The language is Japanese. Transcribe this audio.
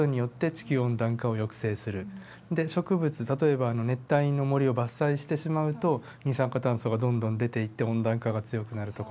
例えば熱帯の森を伐採してしまうと二酸化炭素がどんどん出ていって温暖化が強くなるとか。